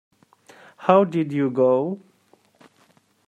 How did you go?